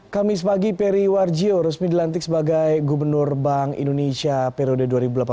kamis pagi peri warjio resmi dilantik sebagai gubernur bank indonesia periode dua ribu delapan belas dua ribu dua